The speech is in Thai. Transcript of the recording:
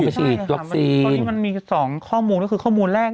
ใช่ตอนนี้มันมี๒ข้อมูลคือข้อมูลแรก